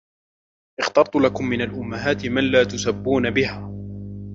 اخْتَرْتُ لَكُمْ مِنْ الْأُمَّهَاتِ مَنْ لَا تُسَبُّونَ بِهَا